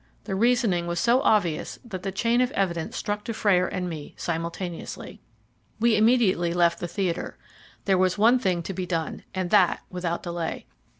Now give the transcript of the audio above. The reasoning was so obvious that the chain of evidence struck Dufrayer and me simultaneously. We immediately left the theatre. There was one thing to be done, and that without delay.